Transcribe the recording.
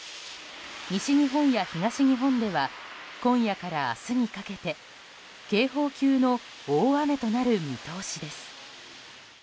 西日本や東日本では今夜から明日にかけて警報級の大雨となる見通しです。